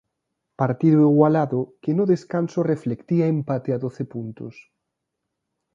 Partido igualado que no descanso reflectía empate a doce puntos.